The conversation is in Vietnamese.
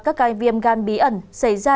các viêm gan bí ẩn xảy ra